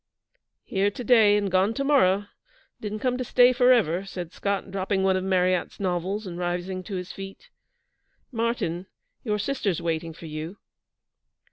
'Here to day and gone to morrow. Didn't come to stay for ever,' said Scott, dropping one of Marryat's novels, and rising to his feet. 'Martyn, your sister's waiting for you.'